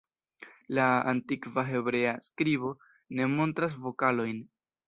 La antikva hebrea skribo ne montras vokalojn.